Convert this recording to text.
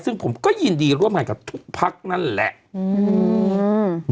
ซึ่งผมก็ยินดีร่วมงานกับทุกพักนั่นแหละอืม